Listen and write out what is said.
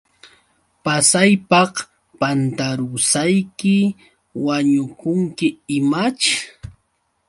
Pasaypaq pantarusayki, ¿wañukunki imaćh?